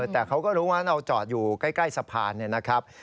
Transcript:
แต่เขาก็รู้ว่าเราจอดอยู่ใกล้สะพานเนี่ยนะครับ